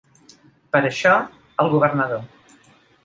Per això, el governador